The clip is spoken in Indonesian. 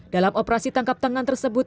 dalam operasi tangkap tangan tersebut